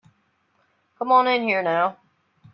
Come on in here now.